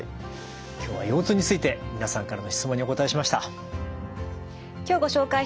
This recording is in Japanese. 今日は腰痛について皆さんからの質問にお答えしました。